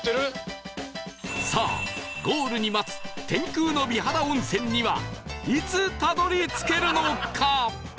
さあゴールに待つ天空の美肌温泉にはいつたどり着けるのか？